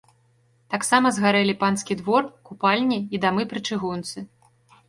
Таксама згарэлі панскі двор, купальні і дамы пры чыгунцы.